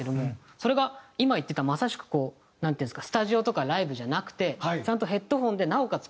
それが今言ってたまさしくこうなんていうんですかスタジオとかライブじゃなくてちゃんとヘッドホンでなおかつ